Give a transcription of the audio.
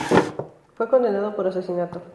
Fue condenado por asesinato.